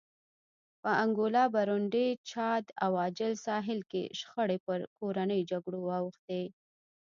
په انګولا، برونډي، چاد او عاج ساحل کې شخړې پر کورنیو جګړو واوښتې.